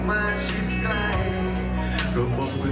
เล่นบ้าชิ้นแทนบ้าโดนคุณแล้ว